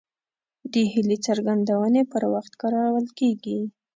د هیلې څرګندونې پر وخت کارول کیږي.